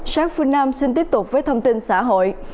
sát phương nam xin tiếp tục với thông tin xã hội